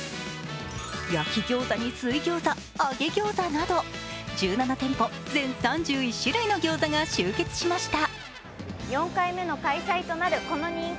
焼き餃子に水餃子揚げ餃子など１７店舗、全３１種類の餃子が集結しました。